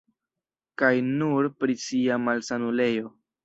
Kaj nur pri sia malsanulejo.